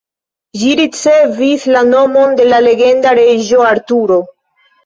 Ĝi ricevis la nomon de la legenda reĝo Arturo.